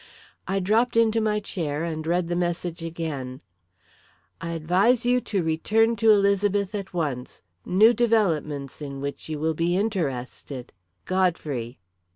I dropped into my chair and read the message again: "I advise you to return to Elizabeth at once. New developments in which you will be interested. "GODFREY."